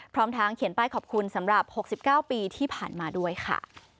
พร้อมทั้งเขียนป้ายขอบคุณสำหรับ๖๙ปีที่ผ่านมาด้วยค่ะ